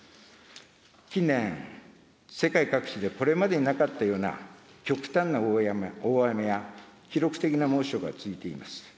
近年、世界各地でこれまでになかったような極端な大雨や、記録的な猛暑が続いています。